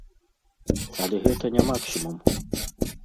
Але гэта не максімум.